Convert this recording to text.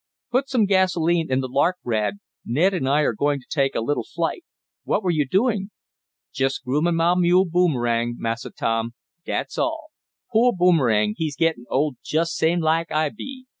"Put some gasolene in the Lark, Rad. Ned and I are going to take a little flight. What were you doing?" "Jest groomin' mah mule Boomerang, Massa Tom, dat's all. Po' Boomerang he's gittin' old jest same laik I be.